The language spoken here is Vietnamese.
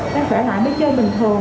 đã khỏe lại mới chơi bình thường